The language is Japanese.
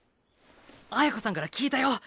綾子さんから聞いたよ。